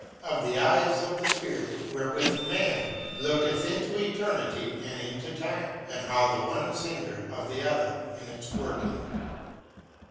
Of the Eyes of the Spirit wherewith Man looketh into Eternity and into Time, and how the one is hindered of the other in its Working.